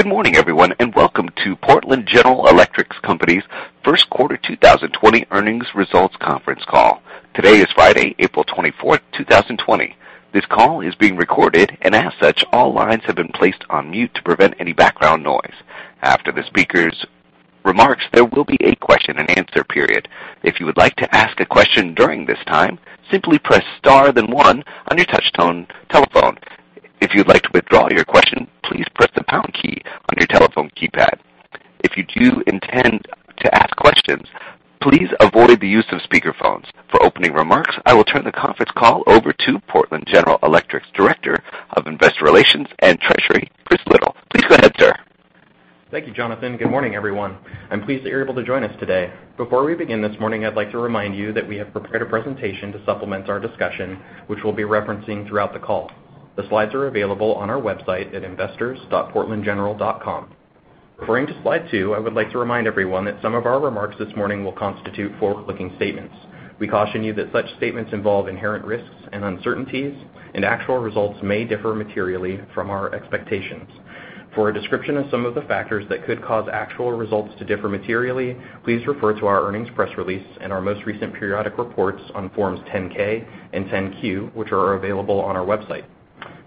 Good morning everyone. Welcome to Portland General Electric Company's First Quarter 2020 Earnings Results Conference Call. Today is Friday, April 24th, 2020. This call is being recorded. As such, all lines have been placed on mute to prevent any background noise. After the speakers' remarks, there will be a question-and-answer period. If you would like to ask a question during this time, simply press star then one on your touch-tone telephone. If you'd like to withdraw your question, please press the pound key on your telephone keypad. If you do intend to ask questions, please avoid the use of speakerphones. For opening remarks, I will turn the conference call over to Portland General Electric's Director of Investor Relations and Treasury, Chris Liddle. Please go ahead, sir. Thank you, Jonathan. Good morning, everyone. I'm pleased that you're able to join us today. Before we begin this morning, I'd like to remind you that we have prepared a presentation to supplement our discussion, which we'll be referencing throughout the call. The slides are available on our website at investors.portlandgeneral.com. Referring to slide two, I would like to remind everyone that some of our remarks this morning will constitute forward-looking statements. We caution you that such statements involve inherent risks and uncertainties, and actual results may differ materially from our expectations. For a description of some of the factors that could cause actual results to differ materially, please refer to our earnings press release and our most recent periodic reports on forms 10-K and 10-Q, which are available on our website.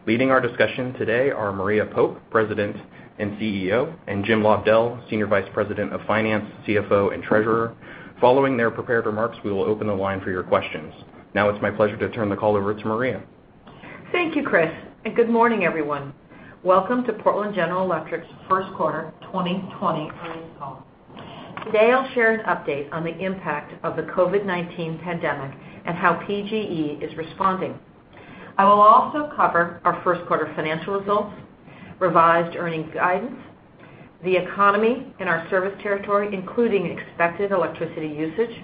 Leading our discussion today are Maria Pope, President and CEO, and Jim Lobdell, Senior Vice President of Finance, CFO, and Treasurer. Following their prepared remarks, we will open the line for your questions. It's my pleasure to turn the call over to Maria. Thank you, Chris, and good morning, everyone. Welcome to Portland General Electric's first quarter 2020 earnings call. Today, I'll share an update on the impact of the COVID-19 pandemic and how PGE is responding. I will also cover our first quarter financial results, revised earnings guidance, the economy in our service territory, including expected electricity usage,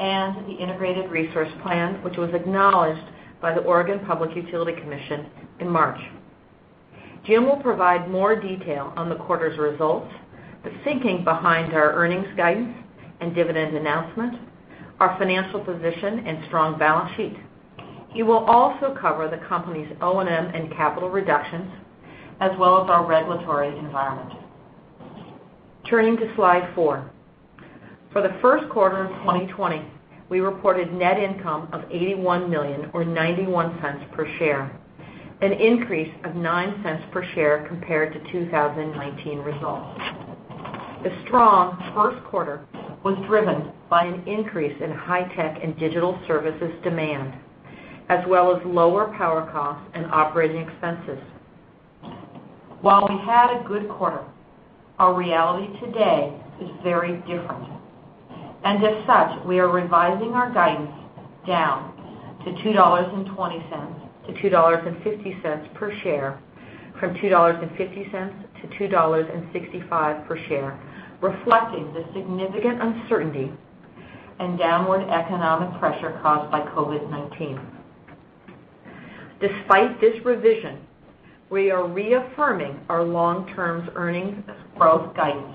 and the integrated resource plan, which was acknowledged by the Oregon Public Utility Commission in March. Jim will provide more detail on the quarter's results, the thinking behind our earnings guidance and dividend announcement, our financial position, and strong balance sheet. He will also cover the company's O&M and capital reductions, as well as our regulatory environment. Turning to slide four. For the first quarter of 2020, we reported net income of $81 million or $0.91 per share, an increase of $0.09 per share compared to 2019 results. The strong first quarter was driven by an increase in high-tech and digital services demand, as well as lower power costs and operating expenses. While we had a good quarter, our reality today is very different. As such, we are revising our guidance down to $2.20-$2.50 per share from $2.50-$2.65 per share, reflecting the significant uncertainty and downward economic pressure caused by COVID-19. Despite this revision, we are reaffirming our long-term earnings growth guidance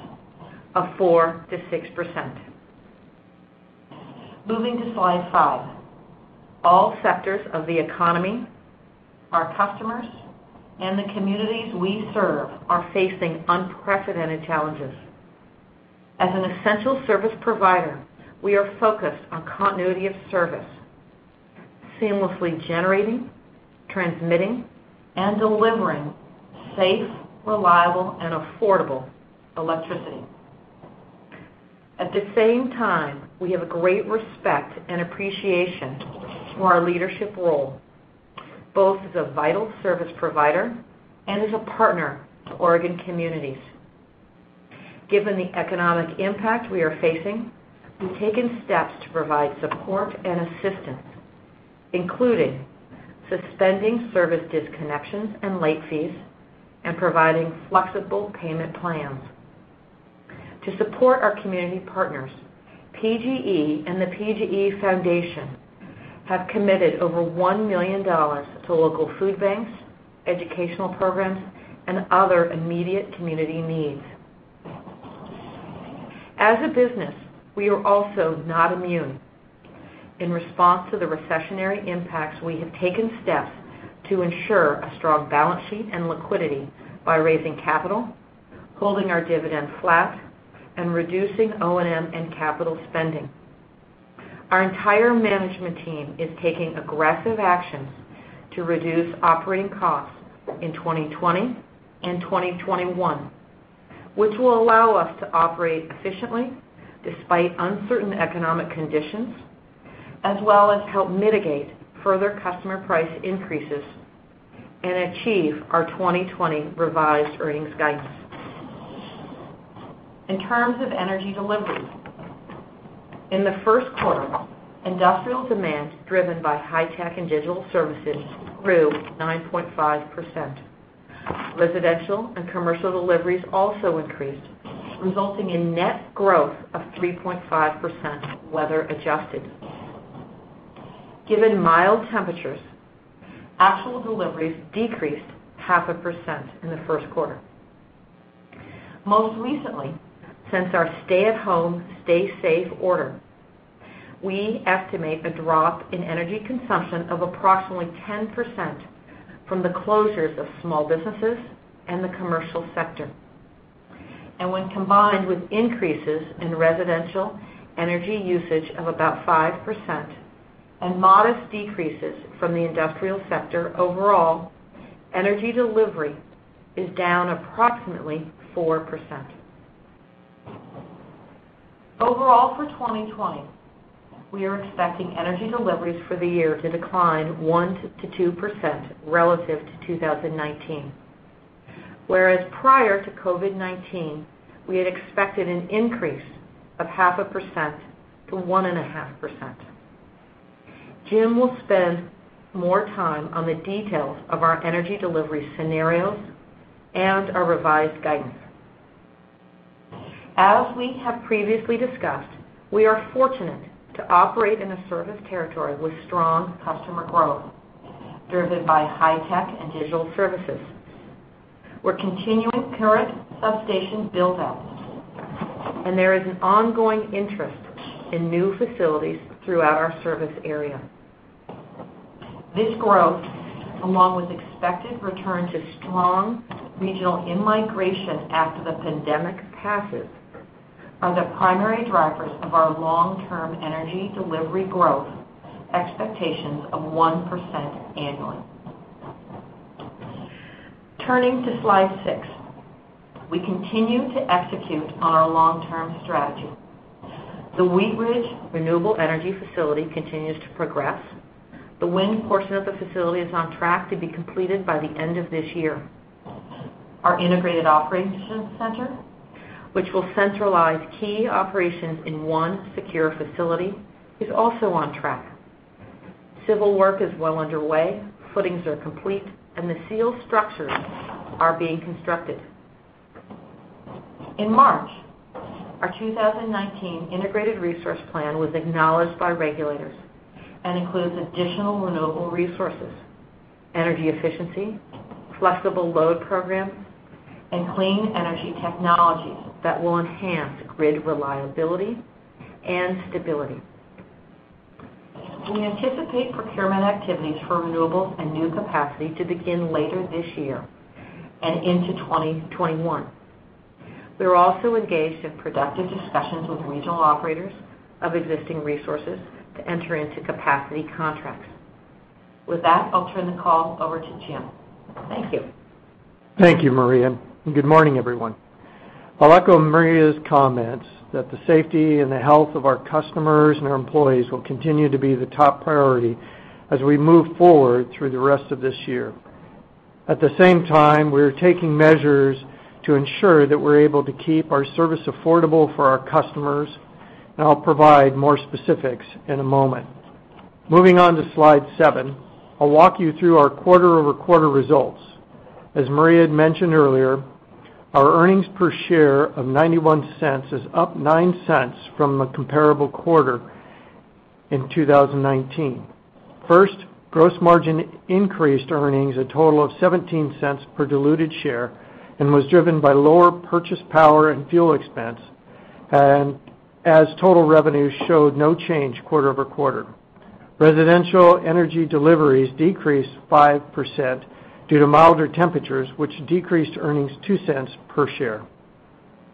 of 4%-6%. Moving to slide five. All sectors of the economy, our customers, and the communities we serve are facing unprecedented challenges. As an essential service provider, we are focused on continuity of service, seamlessly generating, transmitting, and delivering safe, reliable, and affordable electricity. At the same time, we have a great respect and appreciation for our leadership role, both as a vital service provider and as a partner to Oregon communities. Given the economic impact we are facing, we've taken steps to provide support and assistance, including suspending service disconnections and late fees and providing flexible payment plans. To support our community partners, PGE and the PGE Foundation have committed over $1 million to local food banks, educational programs, and other immediate community needs. As a business, we are also not immune. In response to the recessionary impacts, we have taken steps to ensure a strong balance sheet and liquidity by raising capital, holding our dividend flat, and reducing O&M and capital spending. Our entire management team is taking aggressive actions to reduce operating costs in 2020 and 2021, which will allow us to operate efficiently despite uncertain economic conditions, as well as help mitigate further customer price increases and achieve our 2020 revised earnings guidance. In terms of energy delivery, in the first quarter, industrial demand, driven by high-tech and digital services, grew 9.5%. Residential and commercial deliveries also increased, resulting in net growth of 3.5%, weather adjusted. Given mild temperatures, actual deliveries decreased 0.5% in the first quarter. Most recently, since our stay-at-home, stay-safe order, we estimate a drop in energy consumption of approximately 10% from the closures of small businesses and the commercial sector. When combined with increases in residential energy usage of about 5% and modest decreases from the industrial sector overall, energy delivery is down approximately 4%. Overall, for 2020, we are expecting energy deliveries for the year to decline 1%-2% relative to 2019. Prior to COVID-19, we had expected an increase of 0.5%-1.5%. Jim will spend more time on the details of our energy delivery scenarios and our revised guidance. We have previously discussed, we are fortunate to operate in a service territory with strong customer growth, driven by high-tech and digital services. We're continuing current substation build-outs, there is an ongoing interest in new facilities throughout our service area. This growth, along with expected return to strong regional in-migration after the pandemic passes, are the primary drivers of our long-term energy delivery growth expectations of 1% annually. Turning to slide six, we continue to execute on our long-term strategy. The Wheatridge Renewable Energy Facility continues to progress. The wind portion of the facility is on track to be completed by the end of this year. Our Integrated Operations Center, which will centralize key operations in one secure facility, is also on track. Civil work is well underway, footings are complete, and the steel structures are being constructed. In March, our 2019 Integrated Resource Plan was acknowledged by regulators and includes additional renewable resources, energy efficiency, flexible load programs, and clean energy technologies that will enhance grid reliability and stability. We anticipate procurement activities for renewables and new capacity to begin later this year and into 2021. We are also engaged in productive discussions with regional operators of existing resources to enter into capacity contracts. With that, I'll turn the call over to Jim. Thank you. Thank you, Maria. Good morning, everyone. I'll echo Maria's comments that the safety and the health of our customers and our employees will continue to be the top priority as we move forward through the rest of this year. At the same time, we are taking measures to ensure that we're able to keep our service affordable for our customers, and I'll provide more specifics in a moment. Moving on to slide seven, I'll walk you through our quarter-over-quarter results. As Maria had mentioned earlier, our earnings per share of $0.91 is up $0.09 from the comparable quarter in 2019. First, gross margin increased earnings a total of $0.17 per diluted share and was driven by lower purchase power and fuel expense. As total revenues showed no change quarter-over-quarter. Residential energy deliveries decreased 5% due to milder temperatures, which decreased earnings $0.02 per share.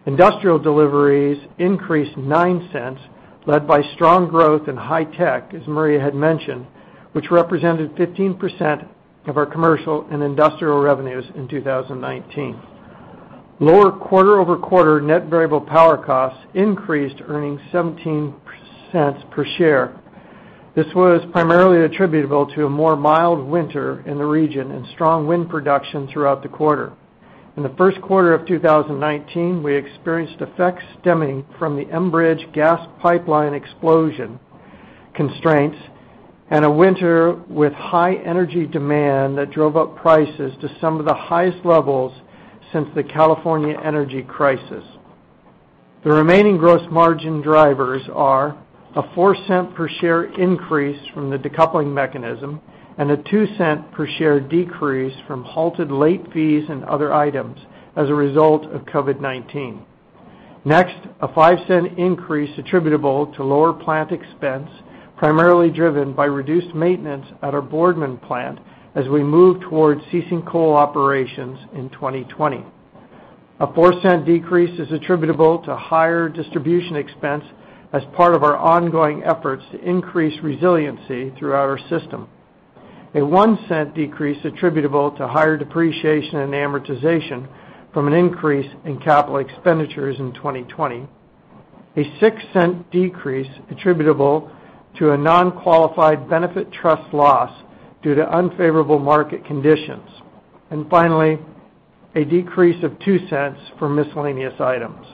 Industrial deliveries increased $0.09, led by strong growth in high-tech, as Maria had mentioned, which represented 15% of our commercial and industrial revenues in 2019. Lower quarter-over-quarter net variable power costs increased earnings $0.17 per share. This was primarily attributable to a more mild winter in the region and strong wind production throughout the quarter. In the first quarter of 2019, we experienced effects stemming from the Enbridge gas pipeline explosion constraints and a winter with high energy demand that drove up prices to some of the highest levels since the California energy crisis. The remaining gross margin drivers are a $0.04 per share increase from the decoupling mechanism and a $0.02 per share decrease from halted late fees and other items as a result of COVID-19. Next, a $0.05 increase attributable to lower plant expense, primarily driven by reduced maintenance at our Boardman plant as we move towards ceasing coal operations in 2020. A $0.04 decrease is attributable to higher distribution expense as part of our ongoing efforts to increase resiliency throughout our system. A $0.01 decrease attributable to higher depreciation and amortization from an increase in capital expenditures in 2020. A $0.06 decrease attributable to a non-qualified benefit trust loss due to unfavorable market conditions. Finally, a decrease of $0.02 for miscellaneous items.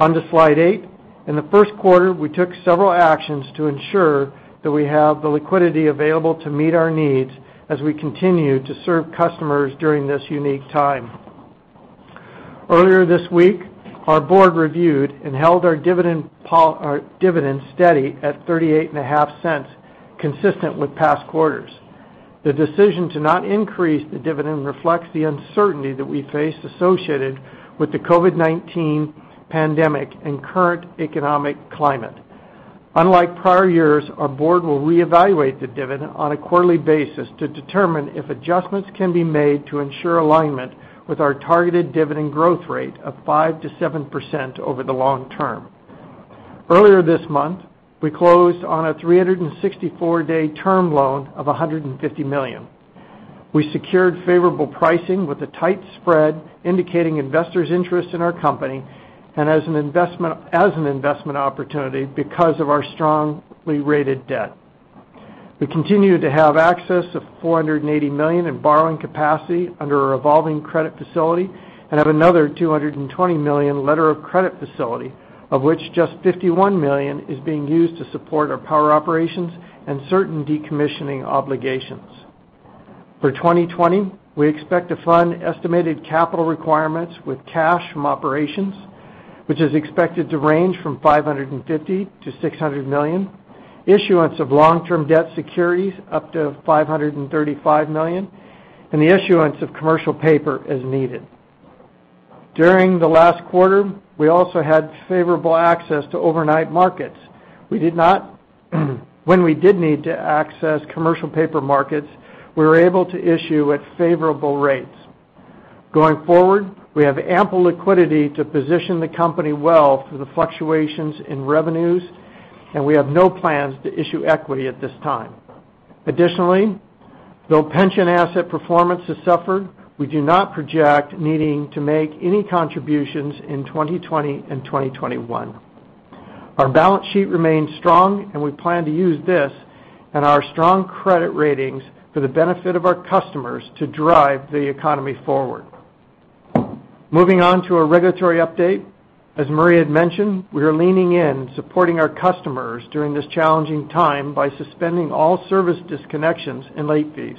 On to slide eight. In the first quarter, we took several actions to ensure that we have the liquidity available to meet our needs as we continue to serve customers during this unique time. Earlier this week, our Board reviewed and held our dividend steady at $0.385, consistent with past quarters. The decision to not increase the dividend reflects the uncertainty that we face associated with the COVID-19 pandemic and current economic climate. Unlike prior years, our Board will reevaluate the dividend on a quarterly basis to determine if adjustments can be made to ensure alignment with our targeted dividend growth rate of 5%-7% over the long term. Earlier this month, we closed on a 364-day term loan of $150 million. We secured favorable pricing with a tight spread, indicating investors' interest in our company, and as an investment opportunity because of our strongly rated debt. We continue to have access of $480 million in borrowing capacity under a revolving credit facility and have another $220 million letter of credit facility, of which just $51 million is being used to support our power operations and certain decommissioning obligations. For 2020, we expect to fund estimated capital requirements with cash from operations, which is expected to range from $550 million-$600 million, issuance of long-term debt securities up to $535 million, and the issuance of commercial paper as needed. During the last quarter, we also had favorable access to overnight markets. When we did need to access commercial paper markets, we were able to issue at favorable rates. Going forward, we have ample liquidity to position the company well for the fluctuations in revenues, and we have no plans to issue equity at this time. Additionally, though pension asset performance has suffered, we do not project needing to make any contributions in 2020 and 2021. Our balance sheet remains strong, and we plan to use this and our strong credit ratings for the benefit of our customers to drive the economy forward. Moving on to a regulatory update. As Maria had mentioned, we are leaning in, supporting our customers during this challenging time by suspending all service disconnections and late fees.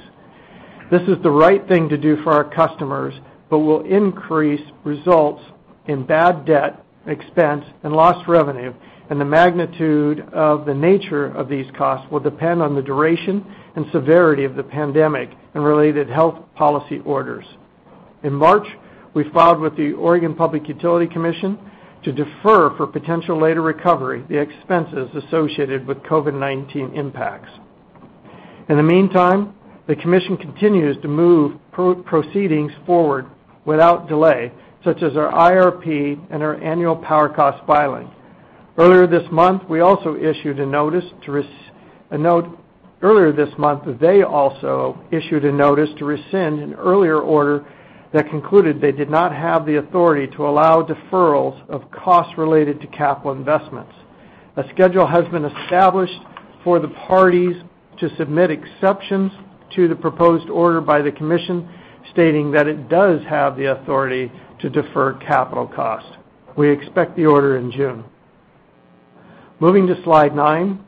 This is the right thing to do for our customers but will increase results in bad debt, expense, and lost revenue, and the magnitude of the nature of these costs will depend on the duration and severity of the pandemic and related health policy orders. In March, we filed with the Oregon Public Utility Commission to defer for potential later recovery the expenses associated with COVID-19 impacts. In the meantime, the commission continues to move proceedings forward without delay, such as our IRP and our annual power cost filing. Earlier this month, they also issued a notice to rescind an earlier order that concluded they did not have the authority to allow deferrals of costs related to capital investments. A schedule has been established for the parties to submit exceptions to the proposed order by the commission, stating that it does have the authority to defer capital costs. We expect the order in June. Moving to slide nine,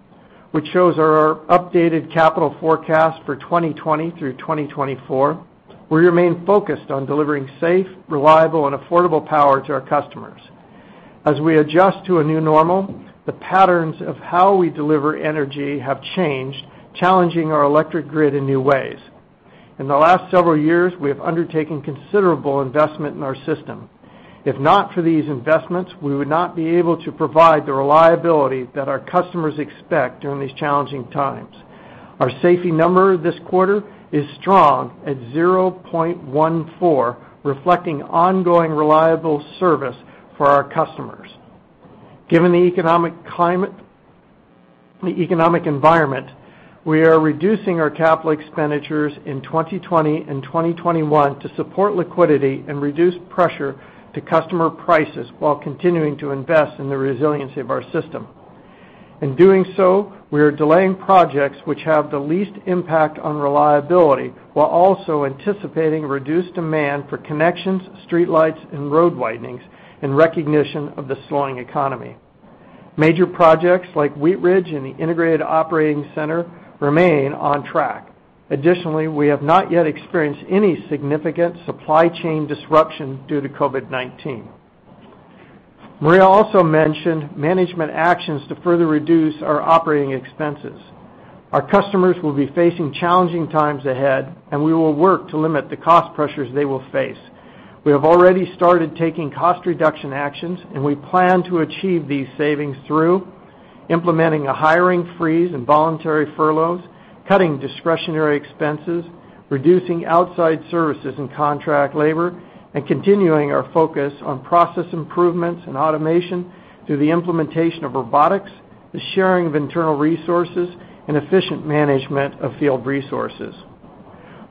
which shows our updated capital forecast for 2020 through 2024. We remain focused on delivering safe, reliable, and affordable power to our customers. As we adjust to a new normal, the patterns of how we deliver energy have changed, challenging our electric grid in new ways. In the last several years, we have undertaken considerable investment in our system. If not for these investments, we would not be able to provide the reliability that our customers expect during these challenging times. Our safety number this quarter is strong at 0.14, reflecting ongoing reliable service for our customers. Given the economic environment, we are reducing our capital expenditures in 2020 and 2021 to support liquidity and reduce pressure to customer prices while continuing to invest in the resiliency of our system. In doing so, we are delaying projects which have the least impact on reliability while also anticipating reduced demand for connections, streetlights, and road widenings in recognition of the slowing economy. Major projects like Wheatridge and the Integrated Operations Center remain on track. Additionally, we have not yet experienced any significant supply chain disruption due to COVID-19. Maria also mentioned management actions to further reduce our operating expenses. Our customers will be facing challenging times ahead, and we will work to limit the cost pressures they will face. We have already started taking cost reduction actions, and we plan to achieve these savings through implementing a hiring freeze and voluntary furloughs, cutting discretionary expenses, reducing outside services and contract labor, and continuing our focus on process improvements and automation through the implementation of robotics, the sharing of internal resources, and efficient management of field resources.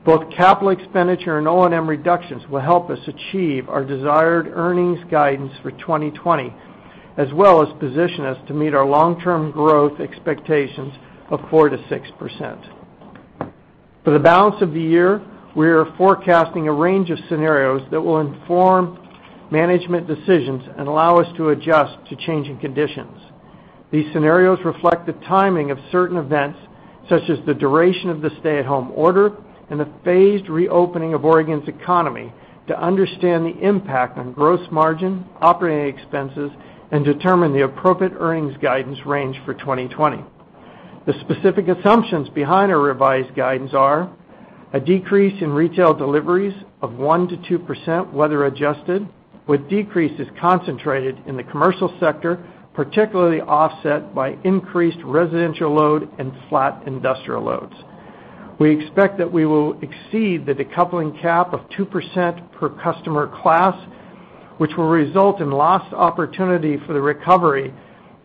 Both capital expenditure and O&M reductions will help us achieve our desired earnings guidance for 2020, as well as position us to meet our long-term growth expectations of 4%-6%. For the balance of the year, we are forecasting a range of scenarios that will inform management decisions and allow us to adjust to changing conditions. These scenarios reflect the timing of certain events, such as the duration of the stay-at-home order and the phased reopening of Oregon's economy to understand the impact on gross margin, operating expenses, and determine the appropriate earnings guidance range for 2020. The specific assumptions behind our revised guidance are: a decrease in retail deliveries of 1%-2%, weather adjusted, with decreases concentrated in the commercial sector, particularly offset by increased residential load and flat industrial loads. We expect that we will exceed the decoupling cap of 2% per customer class, which will result in lost opportunity for the recovery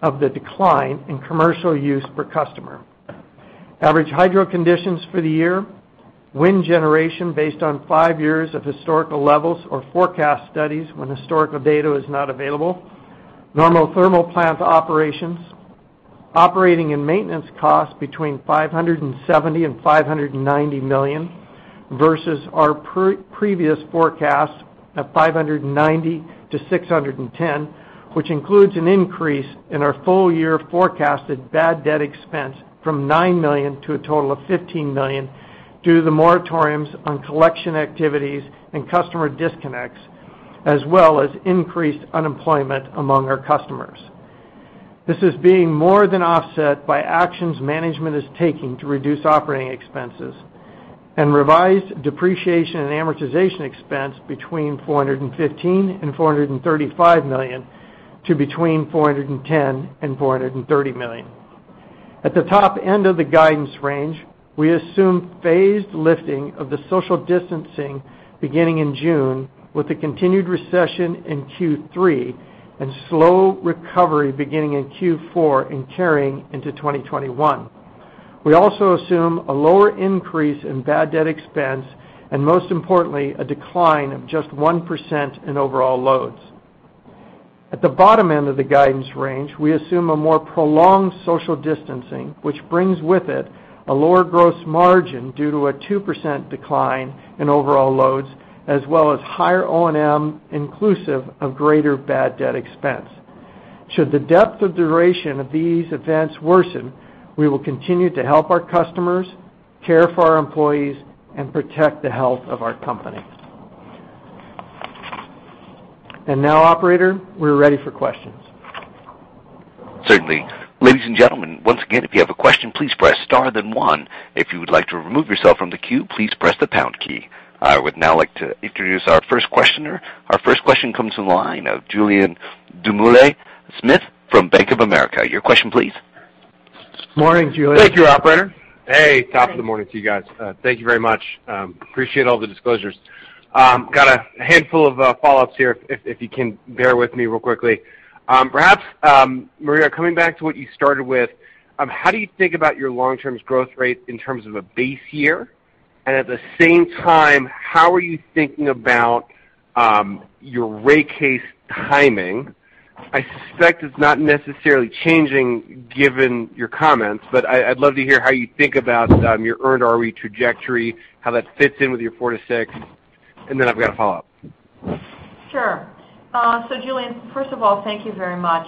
of the decline in commercial use per customer. Average hydro conditions for the year, wind generation based on five years of historical levels or forecast studies when historical data is not available, normal thermal plant operations, operating and maintenance costs between $570 million and $590 million versus our previous forecast of $590 million-$610 million, which includes an increase in our full-year forecasted bad debt expense from $9 million to a total of $15 million due to the moratoriums on collection activities and customer disconnects, as well as increased unemployment among our customers. This is being more than offset by actions management is taking to reduce operating expenses and revised depreciation and amortization expense between $415 million and $435 million to between $410 million and $430 million. At the top end of the guidance range, we assume phased lifting of the social distancing beginning in June with a continued recession in Q3 and slow recovery beginning in Q4 and carrying into 2021. We also assume a lower increase in bad debt expense, and most importantly, a decline of just 1% in overall loads. At the bottom end of the guidance range, we assume a more prolonged social distancing, which brings with it a lower gross margin due to a 2% decline in overall loads, as well as higher O&M inclusive of greater bad debt expense. Should the depth of duration of these events worsen, we will continue to help our customers, care for our employees, and protect the health of our company. Now, operator, we're ready for questions. Certainly. Ladies and gentlemen, once again, if you have a question, please press star then one. If you would like to remove yourself from the queue, please press the pound key. I would now like to introduce our first questioner. Our first question comes from the line of Julien Dumoulin-Smith from Bank of America. Your question, please. Morning, Julien. Thank you, operator. Hey, top of the morning to you guys. Thank you very much. Appreciate all the disclosures. Got a handful of follow-ups here, if you can bear with me real quickly. Perhaps, Maria, coming back to what you started with, how do you think about your long-term growth rate in terms of a base year? At the same time, how are you thinking about your rate case timing? I suspect it's not necessarily changing given your comments, but I'd love to hear how you think about your earned ROE trajectory, how that fits in with your 4%-6%, and then I've got a follow-up. Sure. Julien, first of all, thank you very much.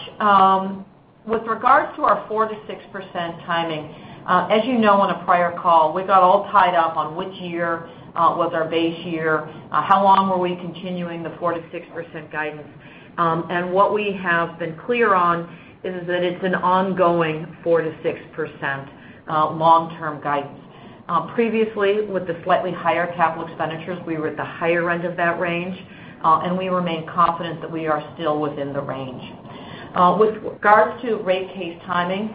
With regards to our 4%-6% timing, as you know on a prior call, we got all tied up on which year was our base year, how long were we continuing the 4%-6% guidance. What we have been clear on is that it's an ongoing 4%-6% long-term guidance. Previously, with the slightly higher capital expenditures, we were at the higher end of that range, we remain confident that we are still within the range. With regards to rate case timing,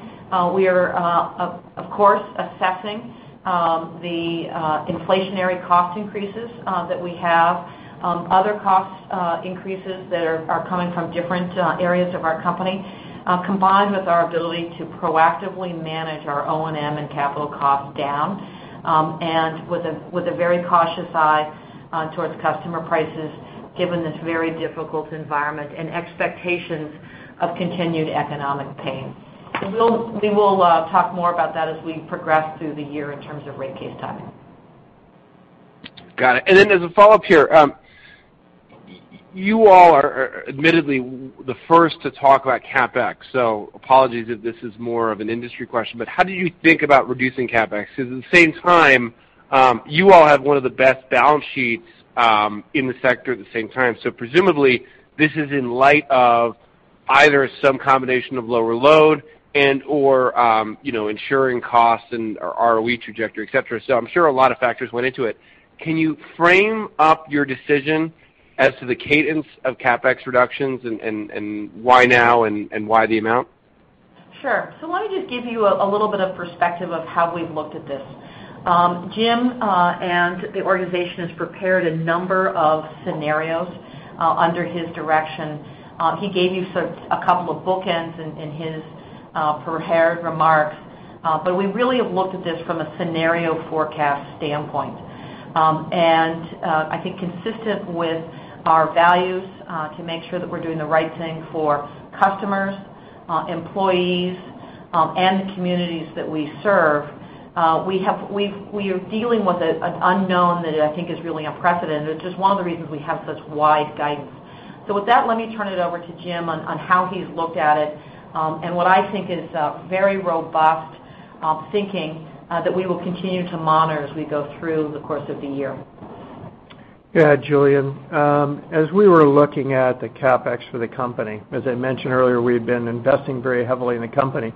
we are, of course, assessing the inflationary cost increases that we have, other cost increases that are coming from different areas of our company, combined with our ability to proactively manage our O&M and capital costs down, and with a very cautious eye towards customer prices given this very difficult environment and expectations of continued economic pain. We will talk more about that as we progress through the year in terms of rate case timing. Got it. As a follow-up here, you all are admittedly the first to talk about CapEx. Apologies if this is more of an industry question, but how do you think about reducing CapEx? Because at the same time, you all have one of the best balance sheets in the sector at the same time. Presumably, this is in light of either some combination of lower load and/or ensuring costs and ROE trajectory, et cetera. I'm sure a lot of factors went into it. Can you frame up your decision as to the cadence of CapEx reductions and why now and why the amount? Sure. Let me just give you a little bit of perspective of how we've looked at this. Jim and the organization has prepared a number of scenarios under his direction. He gave you a couple of bookends in his prepared remarks, we really have looked at this from a scenario forecast standpoint. I think consistent with our values, to make sure that we're doing the right thing for customers, employees, and the communities that we serve, we are dealing with an unknown that I think is really unprecedented, which is one of the reasons we have such wide guidance. With that, let me turn it over to Jim on how he's looked at it, and what I think is very robust thinking that we will continue to monitor as we go through the course of the year. Yeah, Julien. As we were looking at the CapEx for the company, as I mentioned earlier, we've been investing very heavily in the company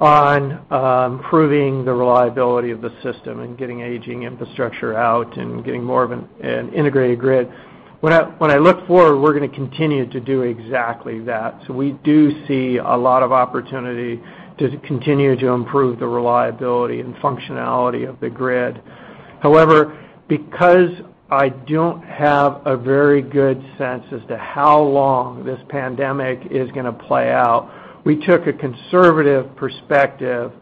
on improving the reliability of the system and getting aging infrastructure out and getting more of an integrated grid. When I look forward, we're going to continue to do exactly that. We do see a lot of opportunity to continue to improve the reliability and functionality of the grid. Because I don't have a very good sense as to how long this pandemic is going to play out, we took a conservative perspective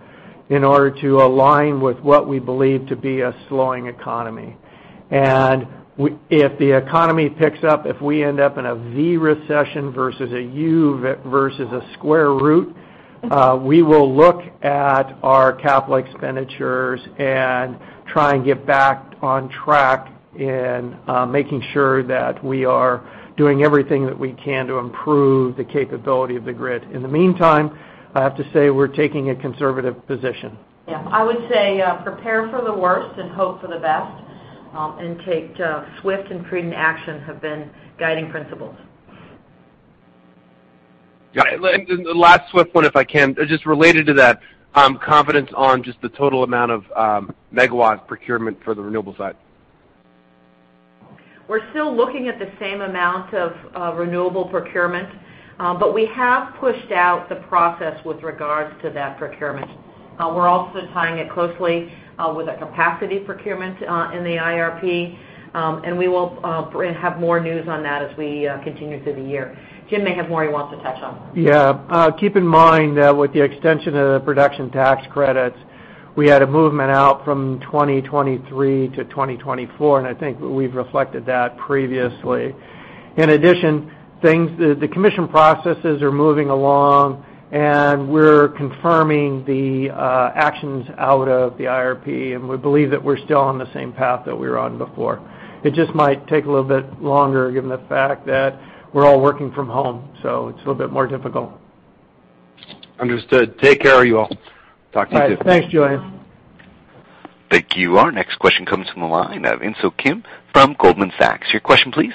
in order to align with what we believe to be a slowing economy. If the economy picks up, if we end up in a V recession versus a U versus a square root, we will look at our capital expenditures and try and get back on track in making sure that we are doing everything that we can to improve the capability of the grid. In the meantime, I have to say, we're taking a conservative position. Yeah, I would say prepare for the worst and hope for the best, and take swift and prudent action have been guiding principles. Yeah. The last swift one, if I can, just related to that, confidence on just the total amount of megawatt procurement for the renewable side. We're still looking at the same amount of renewable procurement, but we have pushed out the process with regards to that procurement. We're also tying it closely with a capacity procurement in the IRP, and we will have more news on that as we continue through the year. Jim may have more he wants to touch on. Yeah. Keep in mind that with the extension of the Production Tax Credit, we had a movement out from 2023 to 2024, and I think we've reflected that previously. In addition, the commission processes are moving along, and we're confirming the actions out of the IRP, and we believe that we're still on the same path that we were on before. It just might take a little bit longer given the fact that we're all working from home, so it's a little bit more difficult. Understood. Take care of you all. Talk to you soon. All right. Thanks, Julien. Bye. Thank you. Our next question comes from the line of Insoo Kim from Goldman Sachs. Your question, please.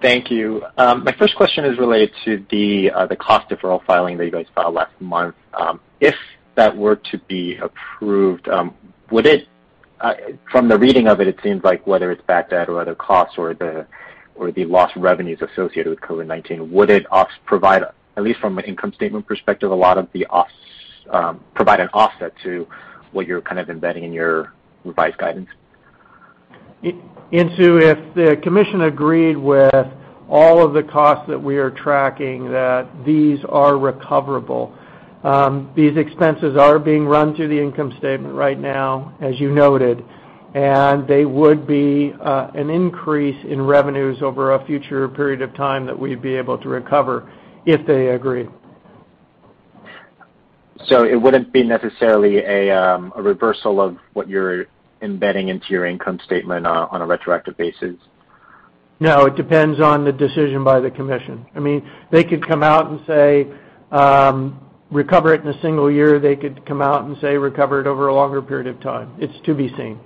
Thank you. My first question is related to the cost deferral filing that you guys filed last month. If that were to be approved, from the reading of it seems like whether it's bad debt or other costs or the lost revenues associated with COVID-19, would it provide, at least from an income statement perspective, an offset to what you're kind of embedding in your revised guidance? Insoo, if the commission agreed with all of the costs that we are tracking, that these are recoverable. These expenses are being run through the income statement right now, as you noted, and they would be an increase in revenues over a future period of time that we'd be able to recover if they agree. It wouldn't be necessarily a reversal of what you're embedding into your income statement on a retroactive basis? No, it depends on the decision by the commission. They could come out and say, recover it in a single year. They could come out and say recover it over a longer period of time. It is to be seen.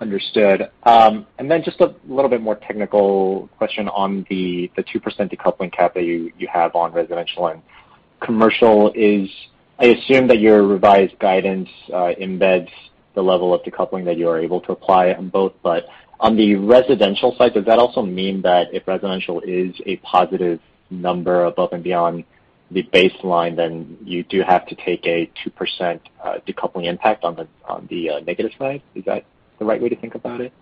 Understood. Just a little bit more technical question on the 2% decoupling cap that you have on residential and commercial is, I assume that your revised guidance embeds the level of decoupling that you are able to apply on both. On the residential side, does that also mean that if residential is a positive number above and beyond the baseline, then you do have to take a 2% decoupling impact on the negative side? Is that the right way to think about it?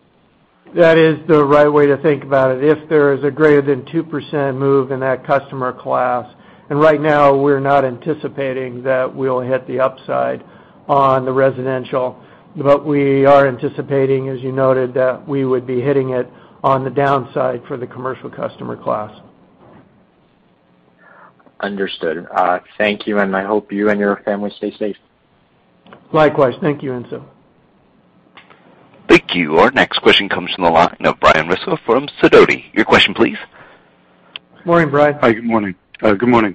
That is the right way to think about it. If there is a greater than 2% move in that customer class, and right now, we're not anticipating that we'll hit the upside on the residential, but we are anticipating, as you noted, that we would be hitting it on the downside for the commercial customer class. Understood. Thank you. I hope you and your family stay safe. Likewise. Thank you, Insoo. Thank you. Our next question comes from the line of Brian Russo from Sidoti. Your question, please. Morning, Brian. Hi. Good morning. Good morning.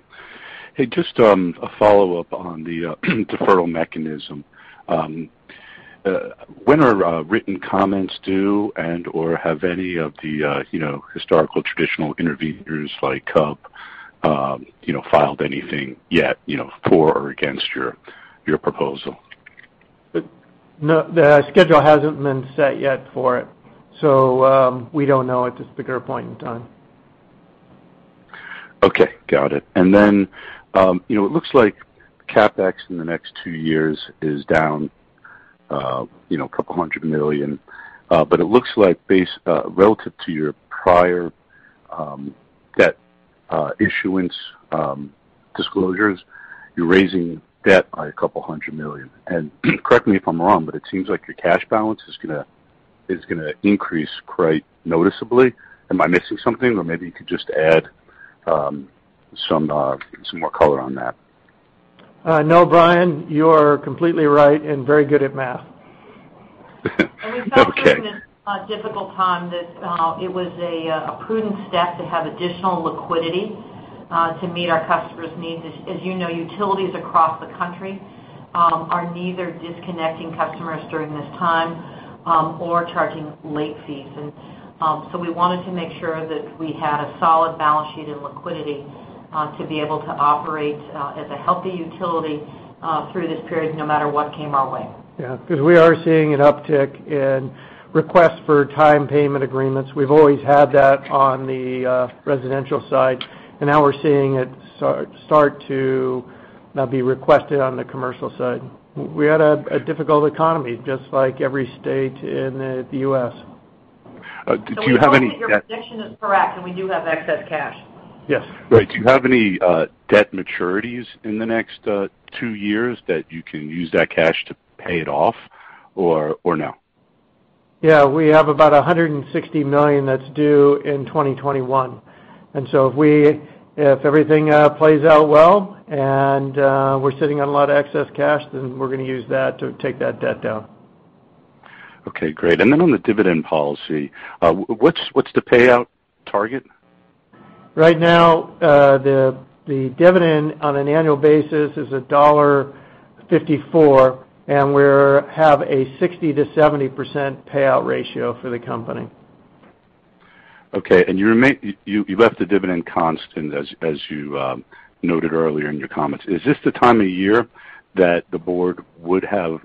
Hey, just a follow-up on the deferral mechanism. When are written comments due and/or have any of the historical traditional interveners like CUB filed anything yet for or against your proposal? The schedule hasn't been set yet for it, so we don't know at this particular point in time. Okay. Got it. It looks like CapEx in the next two years is down a couple $100 million. It looks like relative to your prior debt issuance disclosures, you're raising debt by a couple $100 million. Correct me if I'm wrong, but it seems like your cash balance is going to increase quite noticeably. Am I missing something? Maybe you could just add some more color on that. No, Brian, you are completely right and very good at math. Okay. We thought given this difficult time that it was a prudent step to have additional liquidity to meet our customers' needs. As you know, utilities across the country are neither disconnecting customers during this time or charging late fees. We wanted to make sure that we had a solid balance sheet and liquidity to be able to operate as a healthy utility through this period, no matter what came our way. We are seeing an uptick in requests for time payment agreements. We've always had that on the residential side, and now we're seeing it start to be requested on the commercial side. We had a difficult economy, just like every state in the U.S. We hope that your prediction is correct, and we do have excess cash. Yes. Right. Do you have any debt maturities in the next two years that you can use that cash to pay it off or no? Yeah, we have about $160 million that's due in 2021. If everything plays out well and we're sitting on a lot of excess cash, then we're going to use that to take that debt down. Okay, great. On the dividend policy, what's the payout target? Right now, the dividend on an annual basis is $1.54, and we have a 60%-70% payout ratio for the company. Okay. You left the dividend constant, as you noted earlier in your comments. Is this the time of year that the Board would have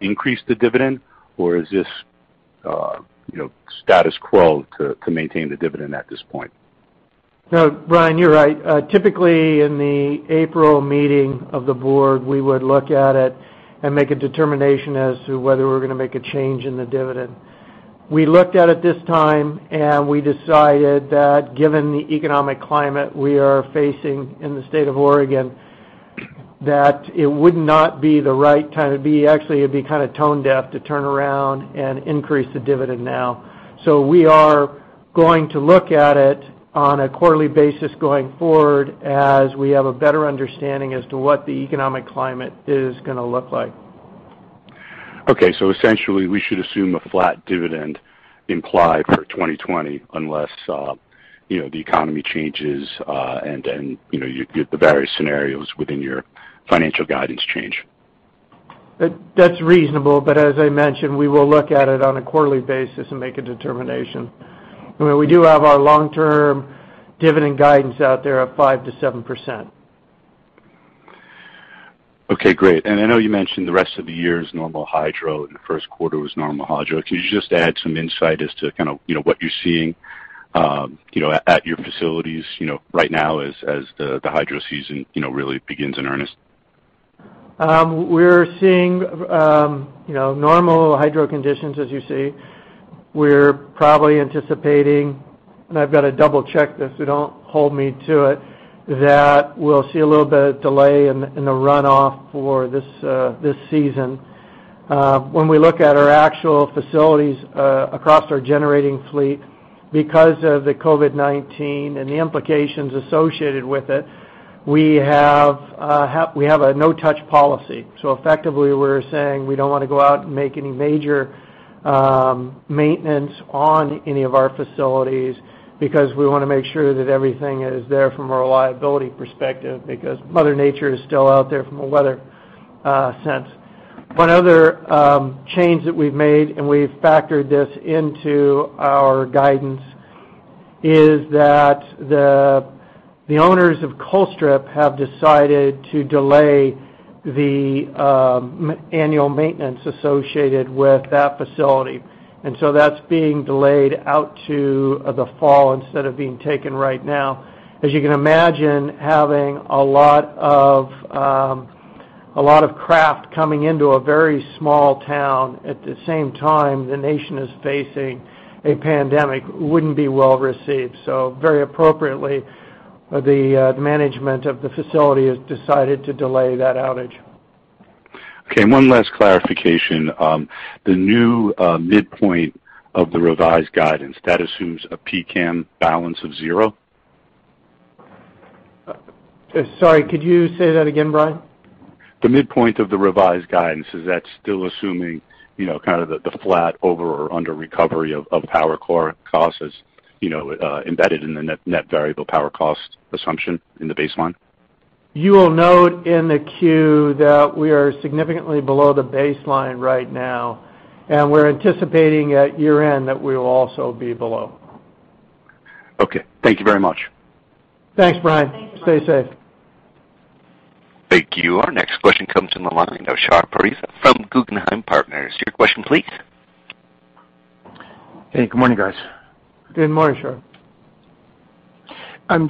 increased the dividend, or is this status quo to maintain the dividend at this point? No, Brian, you're right. Typically, in the April meeting of the Board, we would look at it and make a determination as to whether we're going to make a change in the dividend. We looked at it this time, and we decided that given the economic climate we are facing in the state of Oregon, that it would not be the right time. Actually, it'd be tone deaf to turn around and increase the dividend now. We are going to look at it on a quarterly basis going forward as we have a better understanding as to what the economic climate is going to look like. Okay. Essentially, we should assume a flat dividend implied for 2020 unless the economy changes, and the various scenarios within your financial guidance change. That's reasonable. As I mentioned, we will look at it on a quarterly basis and make a determination. We do have our long-term dividend guidance out there of 5%-7%. Okay, great. I know you mentioned the rest of the year is normal hydro. The first quarter was normal hydro. Can you just add some insight as to what you're seeing at your facilities right now as the hydro season really begins in earnest? We're seeing normal hydro conditions, as you say. We're probably anticipating, and I've got to double-check this, so don't hold me to it, that we'll see a little bit of delay in the runoff for this season. When we look at our actual facilities across our generating fleet, because of the COVID-19 and the implications associated with it, we have a no touch policy. Effectively, we're saying we don't want to go out and make any major maintenance on any of our facilities because we want to make sure that everything is there from a reliability perspective, because Mother Nature is still out there from a weather sense. One other change that we've made, and we've factored this into our guidance, is that the owners of Colstrip have decided to delay the annual maintenance associated with that facility. That's being delayed out to the fall instead of being taken right now. As you can imagine, having a lot of craft coming into a very small town at the same time the nation is facing a pandemic wouldn't be well received. Very appropriately, the management of the facility has decided to delay that outage. Okay. One last clarification. The new midpoint of the revised guidance, that assumes a PCAM balance of zero? Sorry, could you say that again, Brian? The midpoint of the revised guidance, is that still assuming the flat over or under recovery of power costs as embedded in the net variable power costs assumption in the baseline? You will note in the Q that we are significantly below the baseline right now, and we're anticipating at year-end that we will also be below. Okay. Thank you very much. Thanks, Brian. Stay safe. Thank you, Brian. Thank you. Our next question comes from the line of Shahriar Pourreza from Guggenheim Partners. Your question, please. Hey, good morning, guys. Good morning, Shar.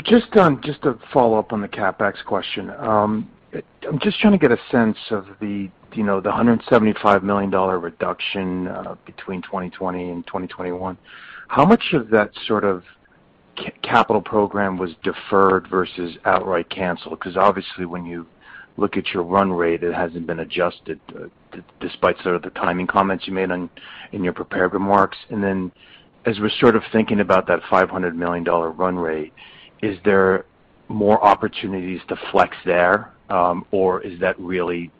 Just to follow up on the CapEx question. I'm just trying to get a sense of the $175 million reduction between 2020 and 2021. How much of that sort of capital program was deferred versus outright canceled? Obviously, when you look at your run rate, it hasn't been adjusted despite sort of the timing comments you made in your prepared remarks. As we're sort of thinking about that $500 million run rate, is there more opportunities to flex there? Is that really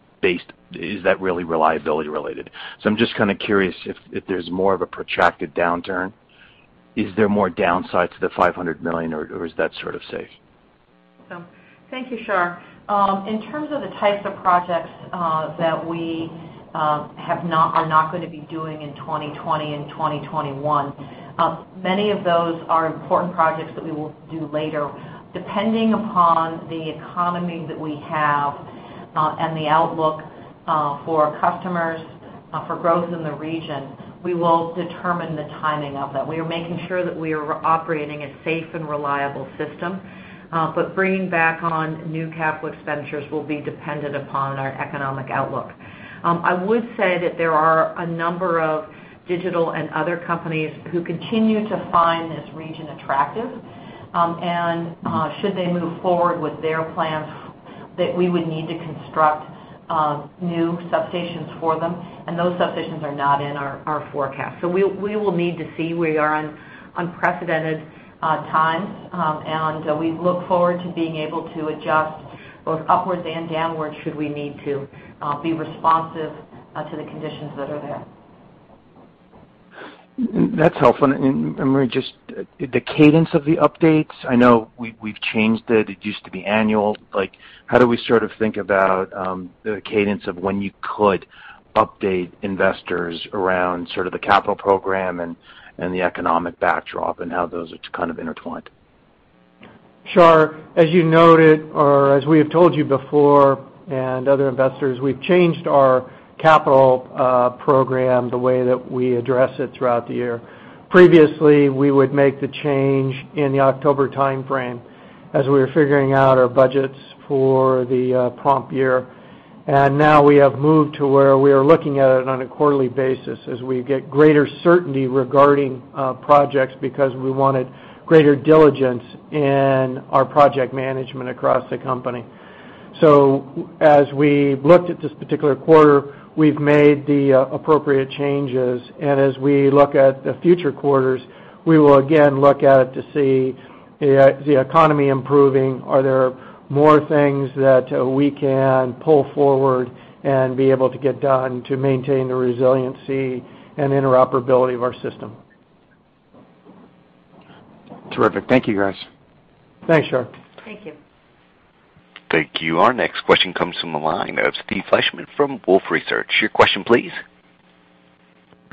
reliability related? I'm just kind of curious if there's more of a protracted downturn. Is there more downside to the $500 million, or is that sort of safe? Thank you, Shar. In terms of the types of projects that we are not going to be doing in 2020 and 2021, many of those are important projects that we will do later. Depending upon the economy that we have and the outlook for our customers for growth in the region, we will determine the timing of that. We are making sure that we are operating a safe and reliable system, bringing back on new capital expenditures will be dependent upon our economic outlook. I would say that there are a number of digital and other companies who continue to find this region attractive, should they move forward with their plans, that we would need to construct new substations for them, those substations are not in our forecast. We will need to see. We are in unprecedented times, and we look forward to being able to adjust both upwards and downwards should we need to be responsive to the conditions that are there. That's helpful. Maria, just the cadence of the updates, I know we've changed it. It used to be annual. How do we think about the cadence of when you could update investors around the capital program and the economic backdrop, and how those are kind of intertwined? Shar, as you noted or as we have told you before and other investors, we've changed our capital program, the way that we address it throughout the year. Previously, we would make the change in the October timeframe as we were figuring out our budgets for the prompt year. Now we have moved to where we are looking at it on a quarterly basis as we get greater certainty regarding projects because we wanted greater diligence in our project management across the company. As we've looked at this particular quarter, we've made the appropriate changes. As we look at the future quarters, we will again look at it to see the economy improving. Are there more things that we can pull forward and be able to get done to maintain the resiliency and interoperability of our system? Terrific. Thank you, guys. Thanks, Shar. Thank you. Thank you. Our next question comes from the line of Steve Fleishman from Wolfe Research. Your question, please.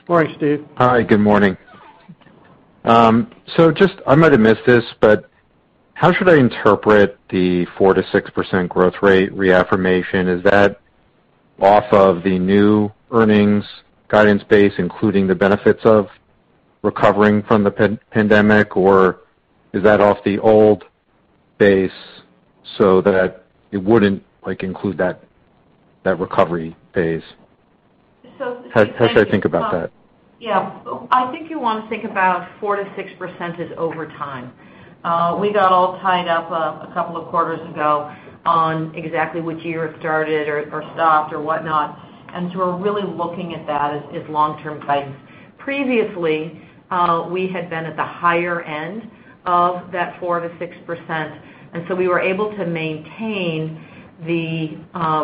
Morning, Steve. Hi, good morning. Just, I might have missed this, how should I interpret the 4%-6% growth rate reaffirmation? Is that off of the new earnings guidance base, including the benefits of recovering from the pandemic, or is that off the old base so that it wouldn't include that recovery phase? How should I think about that? Yeah. I think you want to think about 4%-6% is over time. We got all tied up a couple of quarters ago on exactly which year it started or stopped or whatnot, and so we're really looking at that as long-term guidance. Previously, we had been at the higher end of that 4%-6%, and so we were able to maintain the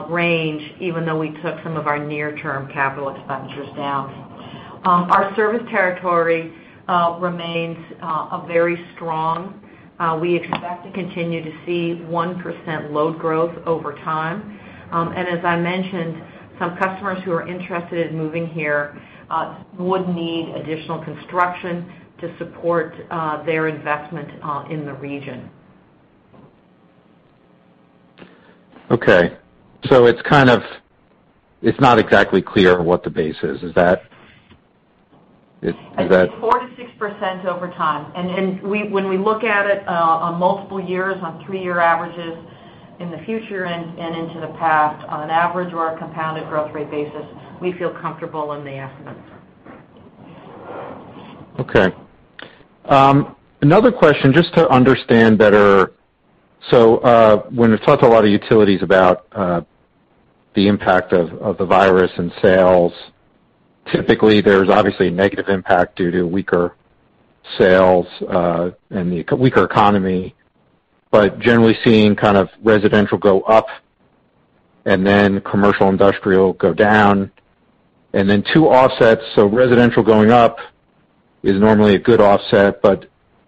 range even though we took some of our near-term capital expenditures down. Our service territory remains very strong. We expect to continue to see 1% load growth over time. As I mentioned, some customers who are interested in moving here would need additional construction to support their investment in the region. Okay. It's not exactly clear what the base is. Is that- 4%-6% over time. When we look at it on multiple years, on three-year averages in the future and into the past, on an average or a compounded growth rate basis, we feel comfortable in the estimate. Okay. Another question, just to understand better. When we've talked to a lot of utilities about the impact of the virus in sales, typically, there's obviously a negative impact due to weaker sales and weaker economy, but generally seeing kind of residential go up and then commercial industrial go down. Then two offsets, residential going up is normally a good offset,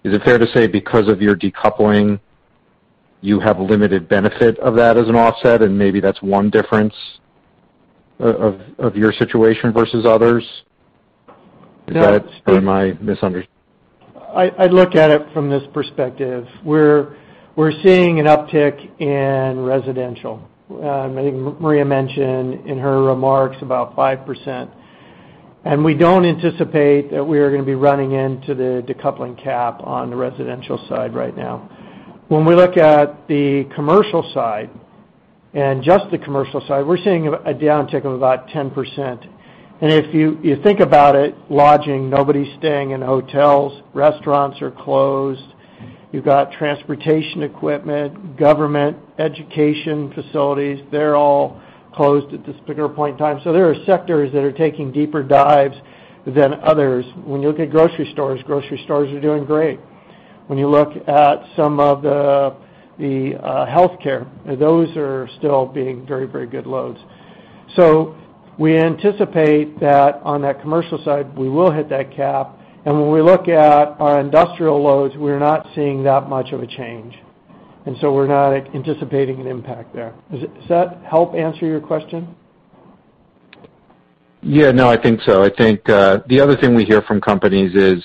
is it fair to say because of your decoupling, you have limited benefit of that as an offset, and maybe that's one difference of your situation versus others? No. Is that. Steve. My misunderstanding? I'd look at it from this perspective. We're seeing an uptick in residential. I think Maria mentioned in her remarks about 5%. We don't anticipate that we are going to be running into the decoupling cap on the residential side right now. When we look at the commercial side and just the commercial side, we're seeing a downtick of about 10%. If you think about it, lodging, nobody's staying in hotels. Restaurants are closed. You've got transportation equipment, government, education facilities, they're all closed at this particular point in time. There are sectors that are taking deeper dives than others. When you look at grocery stores, grocery stores are doing great. When you look at some of the healthcare, those are still being very good loads. We anticipate that on that commercial side, we will hit that cap. When we look at our industrial loads, we're not seeing that much of a change, we're not anticipating an impact there. Does that help answer your question? Yeah, no, I think so. I think, the other thing we hear from companies is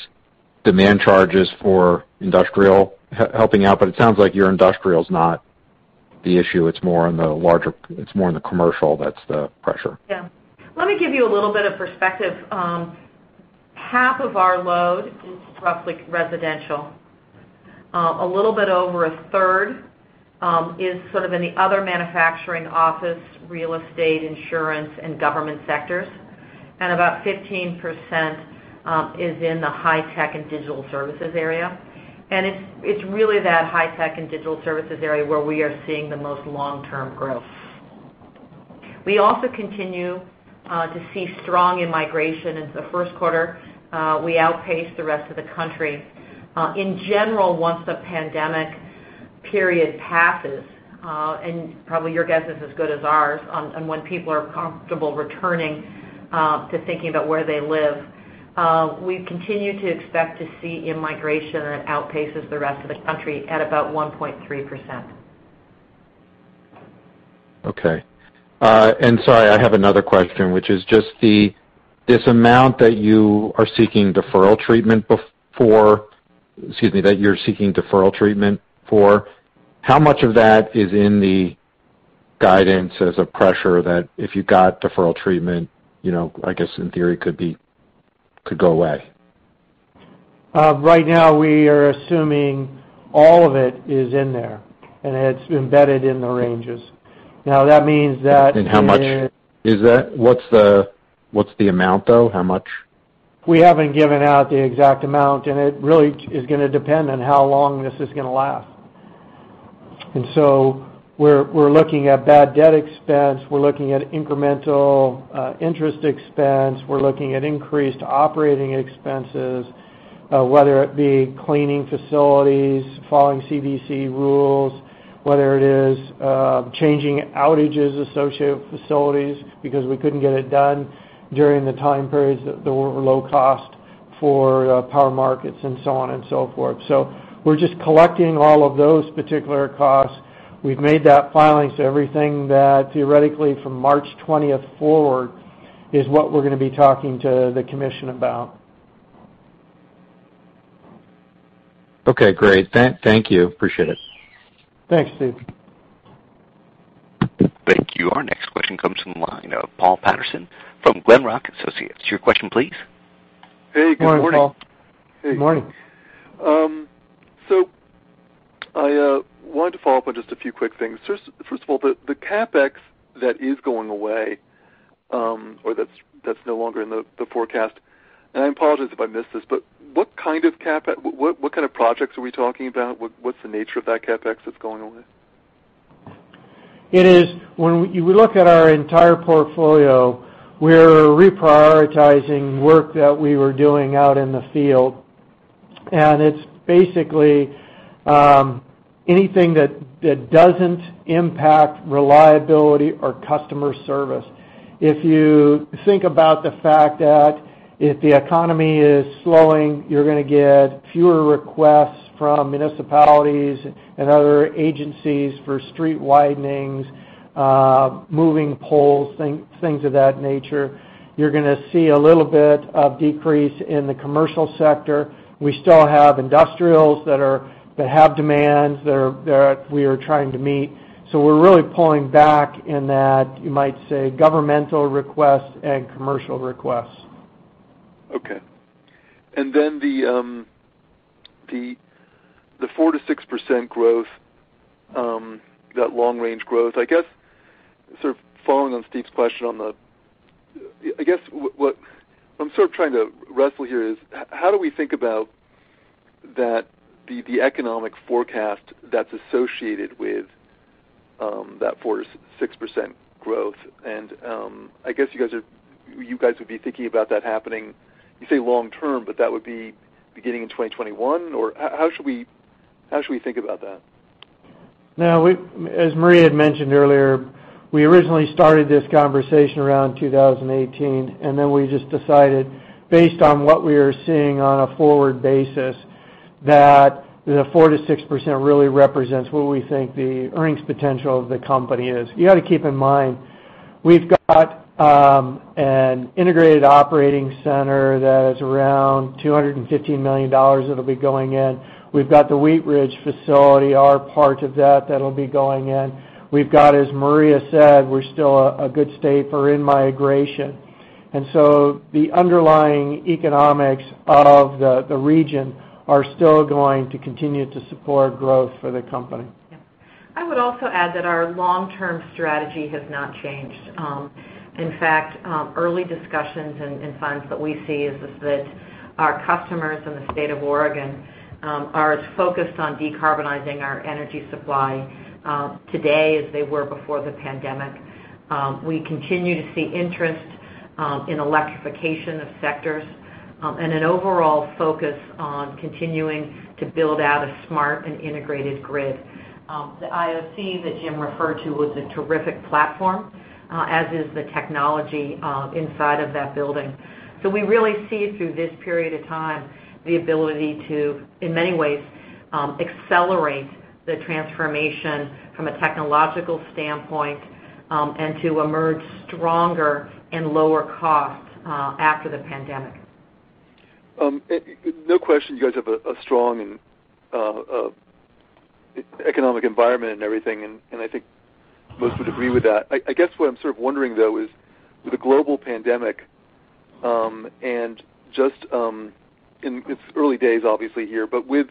demand charges for industrial helping out, but it sounds like your industrial is not the issue. It's more in the commercial, that's the pressure. Yeah. Let me give you a little bit of perspective. Half of our load is roughly residential. A little bit over a third is sort of in the other manufacturing office, real estate, insurance, and government sectors. About 15% is in the high-tech and digital services area. It's really that high-tech and digital services area where we are seeing the most long-term growth. We also continue to see strong in-migration into the first quarter. We outpace the rest of the country. In general, once the pandemic period passes, and probably your guess is as good as ours on when people are comfortable returning to thinking about where they live, we continue to expect to see in-migration that outpaces the rest of the country at about 1.3%. Okay. Sorry, I have another question, which is just this amount that you are seeking deferral treatment for, how much of that is in the guidance as a pressure that if you got deferral treatment, I guess in theory could go away? Right now we are assuming all of it is in there, and it's embedded in the ranges. How much is that? What's the amount, though? How much? We haven't given out the exact amount, and it really is going to depend on how long this is going to last. We're looking at bad debt expense. We're looking at incremental interest expense. We're looking at increased operating expenses, whether it be cleaning facilities, following CDC rules, whether it is changing outages associated with facilities because we couldn't get it done during the time periods that were low cost for power markets and so on and so forth. We're just collecting all of those particular costs. We've made that filing, so everything that theoretically from March 20th forward is what we're going to be talking to the commission about. Okay, great. Thank you. Appreciate it. Thanks, Steve. Thank you. Our next question comes from the line of Paul Patterson from Glenrock Associates. Your question, please. Hey, good morning. Good morning, Paul. Good morning. I wanted to follow up on just a few quick things. First of all, the CapEx that is going away, or that's no longer in the forecast, and I apologize if I missed this, but what kind of projects are we talking about? What's the nature of that CapEx that's going away? It is when you look at our entire portfolio, we're reprioritizing work that we were doing out in the field, and it's basically anything that doesn't impact reliability or customer service. If you think about the fact that if the economy is slowing, you're going to get fewer requests from municipalities and other agencies for street widenings, moving poles, things of that nature. You're going to see a little bit of decrease in the commercial sector. We still have industrials that have demands that we are trying to meet. We're really pulling back in that, you might say, governmental requests and commercial requests. Okay. Then the 4%-6% growth, that long-range growth, I guess, sort of following on Steve's question, I guess what I'm sort of trying to wrestle here is how do we think about the economic forecast that's associated with that 4%-6% growth? I guess you guys would be thinking about that happening, you say long-term, but that would be beginning in 2021? Or how should we think about that? As Maria had mentioned earlier, we originally started this conversation around 2018, we just decided, based on what we are seeing on a forward basis, that the 4%-6% really represents what we think the earnings potential of the company is. You got to keep in mind, we've got an Integrated Operations Center that is around $250 million that'll be going in. We've got the Wheatridge Facility, our part of that'll be going in. We've got, as Maria said, we're still a good state for in-migration. The underlying economics of the region are still going to continue to support growth for the company. Yeah. I would also add that our long-term strategy has not changed. In fact, early discussions and signs that we see is that our customers in the state of Oregon are as focused on decarbonizing our energy supply today as they were before the pandemic. We continue to see interest in electrification of sectors, and an overall focus on continuing to build out a smart and integrated grid. The IOC that Jim referred to was a terrific platform, as is the technology inside of that building. We really see it through this period of time, the ability to, in many ways, accelerate the transformation from a technological standpoint, and to emerge stronger in lower cost after the pandemic. No question you guys have a strong and economic environment and everything. I think most would agree with that. I guess what I'm sort of wondering, though, is with the global pandemic, just in its early days, obviously here, with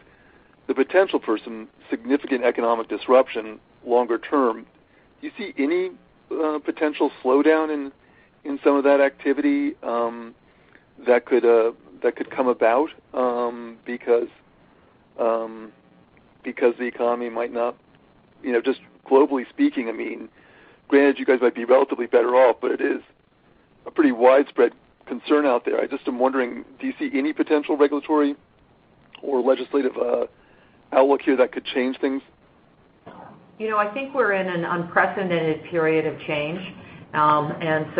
the potential for some significant economic disruption longer term, do you see any potential slowdown in some of that activity that could come about because the economy might not just globally speaking? I mean, granted, you guys might be relatively better off, it is a pretty widespread concern out there. I just am wondering, do you see any potential regulatory or legislative outlook here that could change things? I think we're in an unprecedented period of change.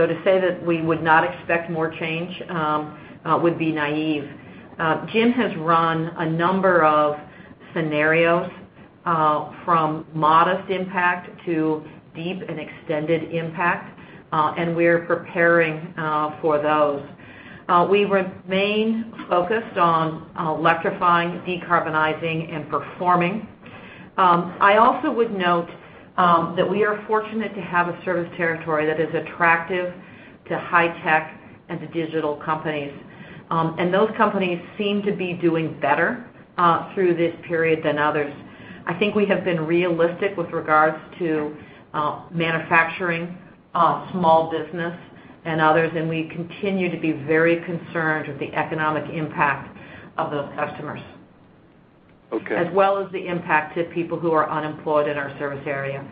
To say that we would not expect more change would be naive. Jim has run a number of scenarios, from modest impact to deep and extended impact, and we're preparing for those. We remain focused on electrifying, decarbonizing, and performing. I also would note that we are fortunate to have a service territory that is attractive to high-tech and to digital companies. Those companies seem to be doing better through this period than others. I think we have been realistic with regards to manufacturing small business and others, and we continue to be very concerned with the economic impact of those customers. Okay. As well as the impact to people who are unemployed in our service area.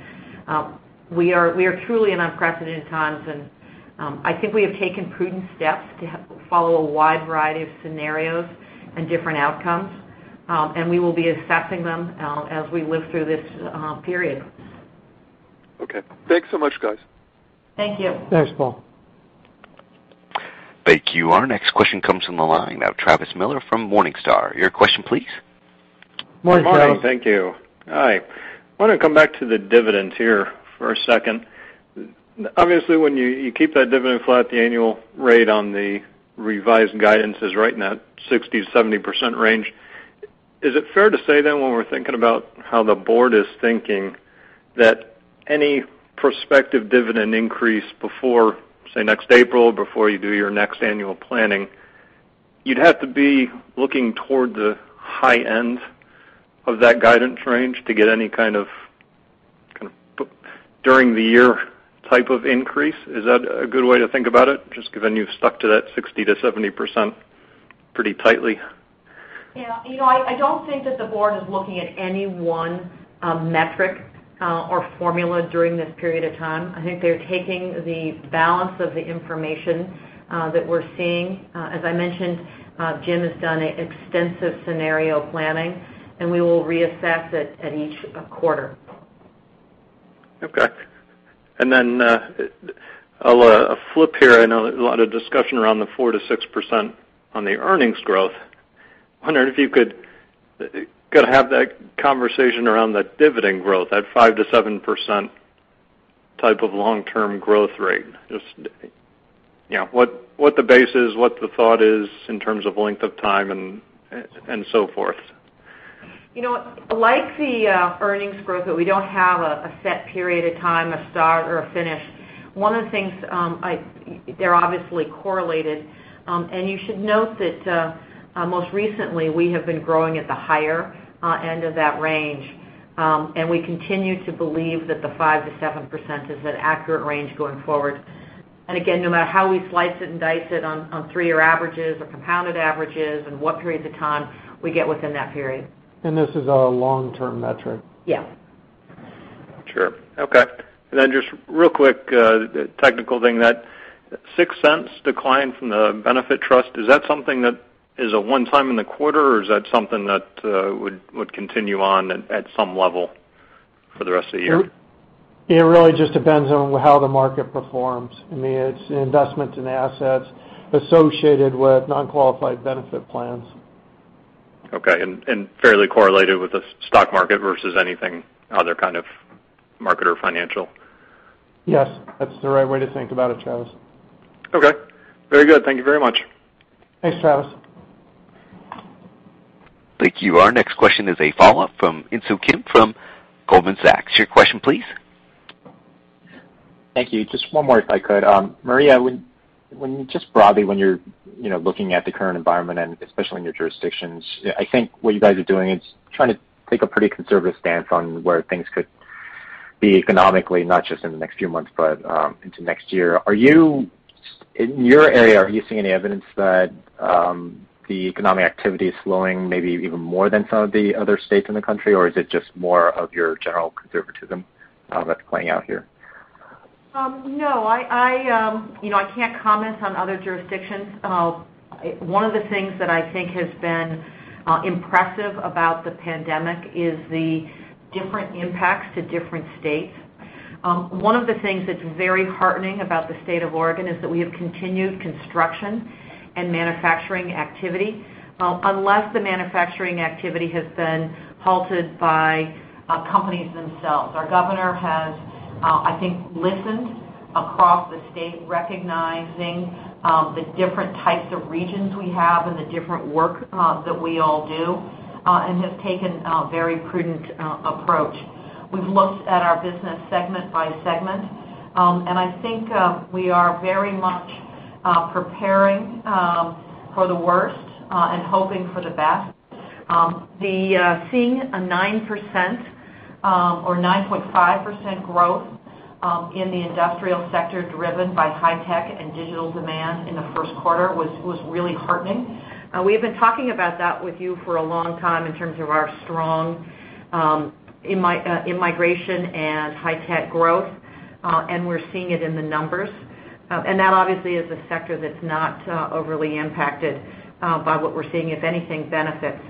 We are truly in unprecedented times, and I think we have taken prudent steps to follow a wide variety of scenarios and different outcomes, and we will be assessing them as we live through this period. Okay. Thanks so much, guys. Thank you. Thanks, Paul. Thank you. Our next question comes from the line of Travis Miller from Morningstar. Your question, please. Morning, Travis. Good morning. Thank you. Hi. I want to come back to the dividend here for a second. Obviously, when you keep that dividend flat, the annual rate on the revised guidance is right in that 60%-70% range. Is it fair to say then when we're thinking about how the Board is thinking that any prospective dividend increase before, say, next April, before you do your next annual planning, you'd have to be looking toward the high end of that guidance range to get any kind of during the year type of increase? Is that a good way to think about it, just given you've stuck to that 60%-70% pretty tightly? Yeah. I don't think that the Board is looking at any one metric or formula during this period of time. I think they're taking the balance of the information that we're seeing. As I mentioned, Jim has done extensive scenario planning, and we will reassess it at each quarter. Okay. I'll flip here. I know there's a lot of discussion around the 4%-6% on the earnings growth. Wondering if you could have that conversation around that dividend growth, that 5%-7% type of long-term growth rate. Just what the base is, what the thought is in terms of length of time, and so forth. Like the earnings growth, we don't have a set period of time, a start or a finish. One of the things, they're obviously correlated, and you should note that, most recently, we have been growing at the higher end of that range, and we continue to believe that the 5%-7% is an accurate range going forward. Again, no matter how we slice it and dice it on three-year averages or compounded averages and what periods of time, we get within that period. This is a long-term metric. Yeah. Sure. Okay. Just real quick, technical thing, that $0.06 decline from the benefit trust, is that something that is a one-time in the quarter, or is that something that would continue on at some level for the rest of the year? It really just depends on how the market performs. I mean, it's investments in assets associated with non-qualified benefit plans. Okay, fairly correlated with the stock market versus anything other kind of market or financial? Yes, that's the right way to think about it, Travis. Okay. Very good. Thank you very much. Thanks, Travis. Thank you. Our next question is a follow-up from Insoo Kim from Goldman Sachs. Your question, please. Thank you. Just one more if I could. Maria, just broadly, when you're looking at the current environment and especially in your jurisdictions, I think what you guys are doing is trying to take a pretty conservative stance on where things could be economically, not just in the next few months, but into next year. In your area, are you seeing any evidence that the economic activity is slowing, maybe even more than some of the other states in the country, or is it just more of your general conservatism that's playing out here? No, I can't comment on other jurisdictions. One of the things that I think has been impressive about the pandemic is the different impacts to different states. One of the things that's very heartening about the state of Oregon is that we have continued construction and manufacturing activity. Unless the manufacturing activity has been halted by companies themselves. Our governor has, I think, listened across the state, recognizing the different types of regions we have and the different work that we all do, and have taken a very prudent approach. We've looked at our business segment by segment. I think we are very much preparing for the worst and hoping for the best. Seeing a 9% or 9.5% growth in the industrial sector driven by high-tech and digital demand in the first quarter was really heartening. We have been talking about that with you for a long time in terms of our strong in-migration and high-tech growth. We're seeing it in the numbers. That obviously is a sector that's not overly impacted by what we're seeing, if anything, benefits.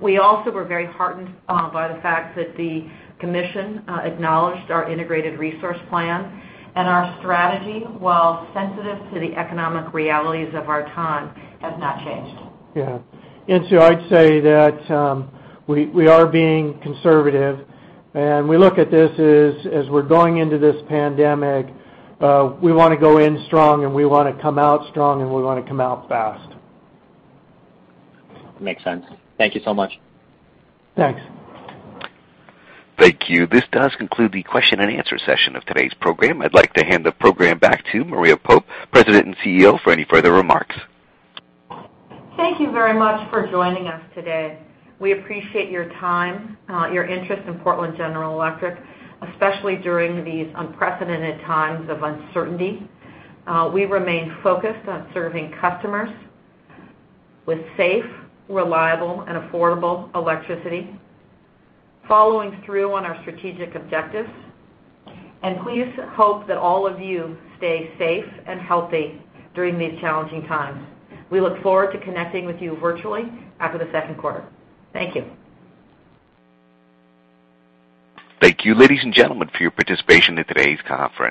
We also were very heartened by the fact that the commission acknowledged our integrated resource plan, and our strategy, while sensitive to the economic realities of our time, has not changed. Yeah. I'd say that we are being conservative, and we look at this as we're going into this pandemic, we want to go in strong and we want to come out strong, and we want to come out fast. Makes sense. Thank you so much. Thanks. Thank you. This does conclude the question and answer session of today's program. I'd like to hand the program back to Maria Pope, President and CEO, for any further remarks. Thank you very much for joining us today. We appreciate your time, your interest in Portland General Electric, especially during these unprecedented times of uncertainty. We remain focused on serving customers with safe, reliable, and affordable electricity, following through on our strategic objectives. Please hope that all of you stay safe and healthy during these challenging times. We look forward to connecting with you virtually after the second quarter. Thank you. Thank you, ladies and gentlemen, for your participation in today's conference.